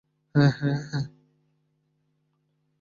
হে, হে, হে, হে।